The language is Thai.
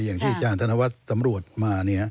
อย่างที่อาจารย์ธนวัฒน์สำรวจมา